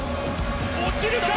落ちるか？